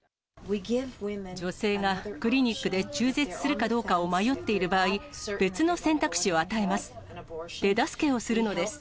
女性がクリニックで中絶するかどうかを迷っている場合、別の選択肢を与えます。